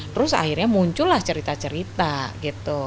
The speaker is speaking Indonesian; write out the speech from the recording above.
terus akhirnya muncul lah cerita cerita gitu